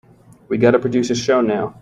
We've got to produce a show now.